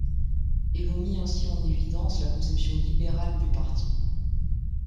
Et l'on mit ainsi en évidence, la conception libérale du parti.